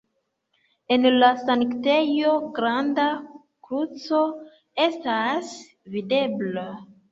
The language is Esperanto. En la sanktejo granda kruco estas videbla.